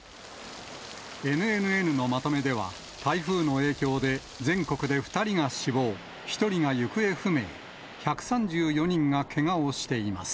ＮＮＮのまとめでは、台風の影響で全国で２人が死亡、１人が行方不明、１３４人がけがをしています。